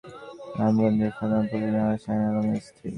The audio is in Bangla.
অপর ঘটনায় নিহত শাহিনুর বেগম রামগঞ্জের ফতেহপুর গ্রামের শাহিন আলমের স্ত্রী।